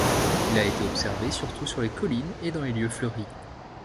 Il a été observé surtout sur les collines et dans les lieux fleuris.